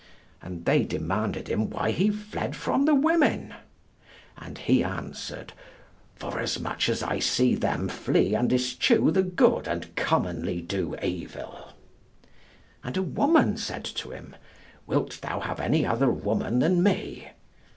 And they demanded him why he fled from the women? And he answered, "Forasmuch as I see them flee and eschew the good and commonly do evil." And a woman said to him, "Wilt thou have any other woman than me?"